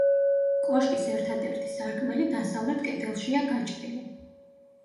კოშკის ერთადერთი სარკმელი დასავლეთ კედელშია გაჭრილი.